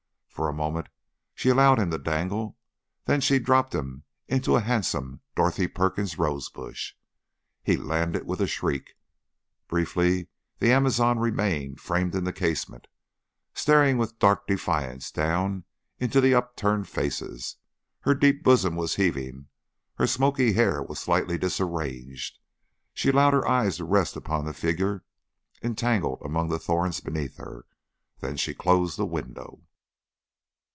For a moment she allowed him to dangle; then she dropped him into a handsome Dorothy Perkins rosebush. He landed with a shriek. Briefly the amazon remained framed in the casement, staring with dark defiance down into the upturned faces; her deep bosom was heaving, her smoky hair was slightly disarranged; she allowed her eyes to rest upon the figure entangled among the thorns beneath her, then she closed the window.